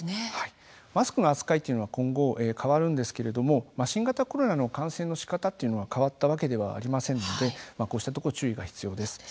マスクの扱いというのは今後、変わるんですけれども新型コロナの感染のしかたというのは変わったわけではありませんのでこうしたところ、注意が必要です。